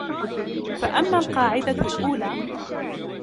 فَأَمَّا الْقَاعِدَةُ الْأُولَى